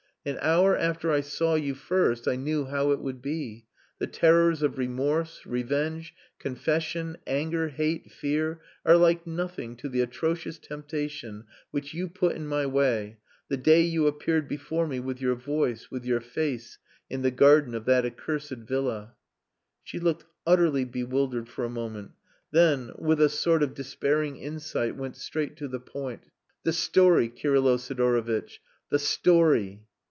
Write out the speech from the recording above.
"An hour after I saw you first I knew how it would be. The terrors of remorse, revenge, confession, anger, hate, fear, are like nothing to the atrocious temptation which you put in my way the day you appeared before me with your voice, with your face, in the garden of that accursed villa." She looked utterly bewildered for a moment; then, with a sort of despairing insight went straight to the point. "The story, Kirylo Sidorovitch, the story!"